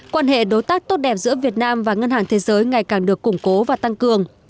quan hệ đối tác tốt đẹp giữa việt nam và ngân hàng thế giới ngày càng được củng cố và tăng cường